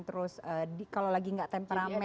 terus kalau lagi nggak temperamen